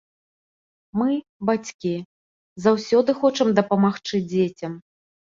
Мы, бацькі, заўсёды хочам дапамагчы дзецям.